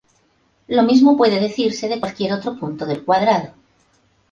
Lo mismo puede decirse de cualquier otro punto del cuadrado.